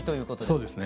そうですね。